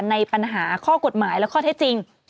ในปัญหาข้อกฎหมายและข้อเท็จจริง